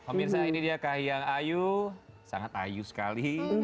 pemirsa ini dia kak hiang ayu sangat ayu sekali